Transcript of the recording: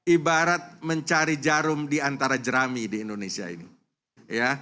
ibarat mencari jarum diantara jerami di indonesia ini